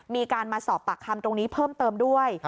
มีการมาสอบปากคำตรงนี้เพิ่มเติมด้วย